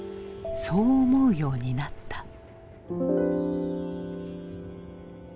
そう思うようになった。